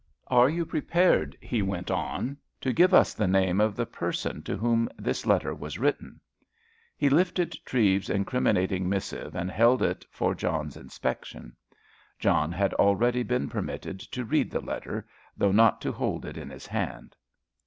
"Are you prepared," he went on, "to give us the name of the person to whom this letter was written?" He lifted Treves's incriminating missive and held it for John's inspection. John had already been permitted to read the letter, though not to hold it in his hand.